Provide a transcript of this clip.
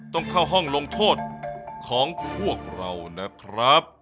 ต้องเข้าห้องลงโทษของพวกเรานะครับ